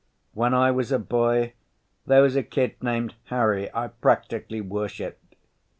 When I was a boy there was a kid named Harry I practically worshipped.